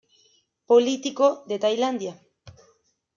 Político de Tailandia.